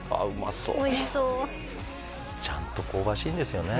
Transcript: そうおいしそうちゃんと香ばしいんですよね